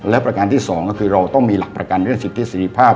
และประการที่สองก็คือเราต้องมีหลักประกันเรื่องสิทธิเสรีภาพ